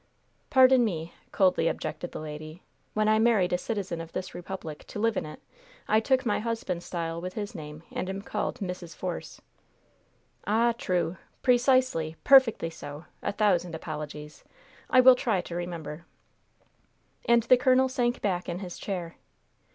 "Pardon me," coldly objected the lady. "When I married a citizen of this republic, to live in it, I took my husband's style with his name, and am called Mrs. Force." "Ah! true! precisely! perfectly so! A thousand apologies! I will try to remember." And the colonel sank back in his chair.